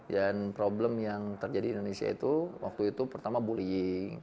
dan problem yang terjadi di indonesia itu waktu itu pertama bullying